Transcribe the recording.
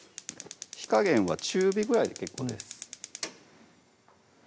火加減は中火ぐらいで結構です